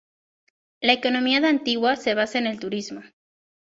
La economía de Antigua se basa en el turismo.